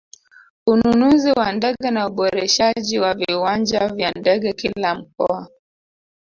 Ununuzi wa ndege na uboreshaji wa viwanja vya ndege kila mkoa